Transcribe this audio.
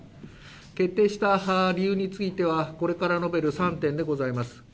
決定した理由についてはこれから述べる３点でございます。